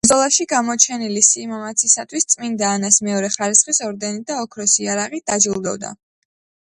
ბრძოლაში გამოჩენილი სიმამაცისათვის წმინდა ანას მეორე ხარისხის ორდენით და ოქროს იარაღით დაჯილდოვდა.